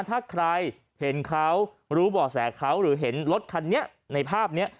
ถ้าใครเห็นเขารู้บ่อแสเขาหรือเห็นรถคันนี้ในภาพนี้